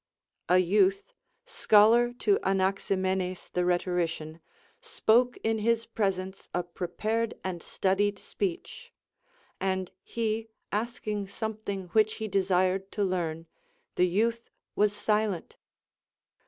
A youth, scholar to Auaximenes the rhetorician, 20 i THE Al^OPHTHEGMS OF KINGS spoke ill his presence a prepared and studied speech ; and he asking something which he desired to learn, the youth was silent.